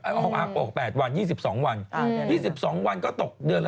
ออก๖วันออก๘วัน๒๒วัน๒๒วันก็ตกเดือนละ๓๓๐